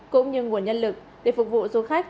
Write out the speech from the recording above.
cũng như nguồn nhân lực để phục vụ du khách